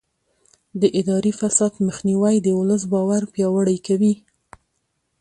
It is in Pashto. د اداري فساد مخنیوی د ولس باور پیاوړی کوي.